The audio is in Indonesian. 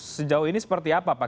sejauh ini seperti apa pak